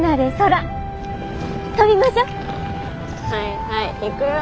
はいはい行くよ。